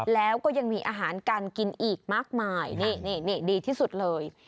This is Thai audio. แล้วก็ยังมีอาหารการกินอีกมากมายนี่ดีที่สุดเลย